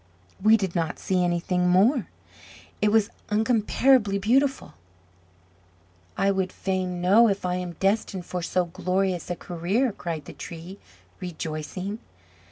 "We did not see anything more: it was incomparably beautiful." "I would fain know if I am destined for so glorious a career," cried the Tree, rejoicing.